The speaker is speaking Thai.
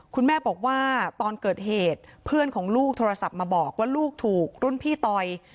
คุณแม่บอกว่าตอนเกิดเหตุเพื่อนของลูกโทรศัพท์มาบอกว่าลูกถูกรุ่นพี่ต่อย